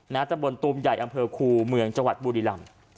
ตะบนตูมใหญ่อำเภอคูเมืองจังหวัดบุรีรำ